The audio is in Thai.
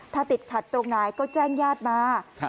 ถ้าติดขัดตรงไหนก็แจ้งญาติมา